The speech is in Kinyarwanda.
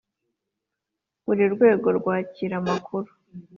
buri rwego rwakira amakuru